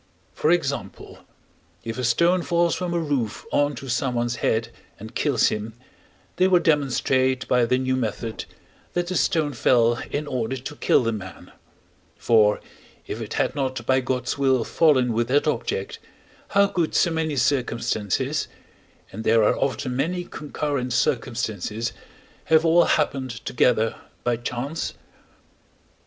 For example, if a stone falls from a roof on to someone's head, and kills him, they will demonstrate by their new method, that the stone fell in order to kill the man; for, if it had not by God's will fallen with that object, how could so many circumstances (and there are often many concurrent circumstances) have all happened together by chance?